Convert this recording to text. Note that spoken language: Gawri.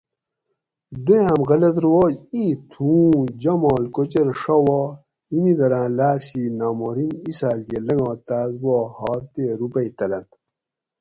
دویام غلط رواج ایں تھوؤں جاماڷ کوچر ڛاوا میمیدراں لاۤر شی نامحرم اِسال کہ لنگا تاۤس وا ھار تے روپئ تلنت